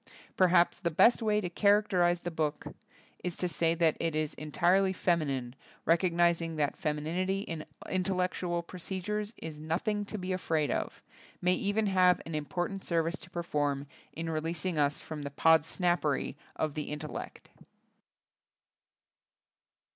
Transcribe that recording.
Perhaps the best way to character ize the book is to say that it is entirely feminine, recognizing that femininity in intellectual procedures is nothing to be afraid of, may even have an im portant service to perform in releasing us from the Podsnappery of the intel lect.